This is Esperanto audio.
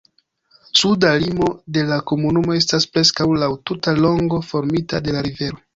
Suda limo de la komunumo estas preskaŭ laŭ tuta longo formita de la rivero.